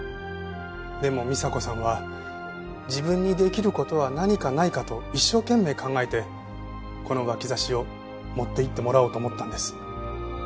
でも美沙子さんは自分にできる事は何かないかと一生懸命考えてこの脇差しを持っていってもらおうと思ったんです。